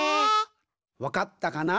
わかったかな？